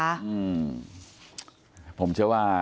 อืมผมเชื่อว่า